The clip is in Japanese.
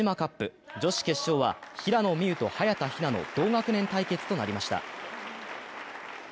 女子決勝は平野美宇と早田ひなの同学年対決となりました。